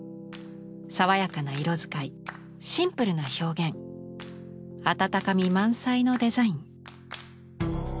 爽やかな色使いシンプルな表現温かみ満載のデザイン。